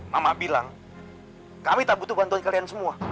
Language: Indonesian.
mama bilang kami tak butuh bantuan kalian semua